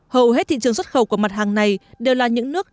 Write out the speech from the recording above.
hầu hết thị trường xuất khẩu của mặt hàng này đều là những nước